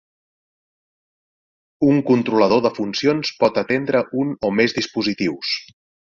Un controlador de funcions por atendre un o més dispositius.